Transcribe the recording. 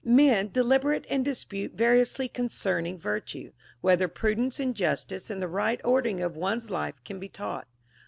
Men deliberate and dispute variously concerning vir tue, Λvhether prudence and justice and the right ordering of one's life can be taught.